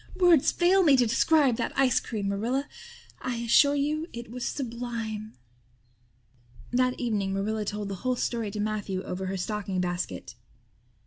Words fail me to describe that ice cream. Marilla, I assure you it was sublime." That evening Marilla told the whole story to Matthew over her stocking basket.